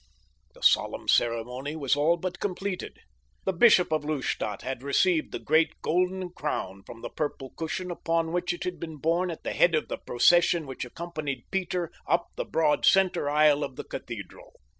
The solemn ceremony was all but completed; the Bishop of Lustadt had received the great golden crown from the purple cushion upon which it had been borne at the head of the procession which accompanied Peter up the broad center aisle of the cathedral.